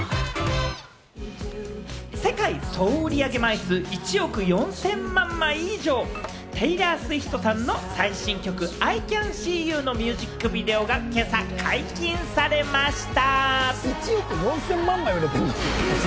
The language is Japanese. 世界総売り上げ枚数１億４０００万枚以上、テイラー・スウィフトさんの最新曲、『ＩＣａｎＳｅｅＹｏｕ』のミュージックビデオが今朝、解禁されました。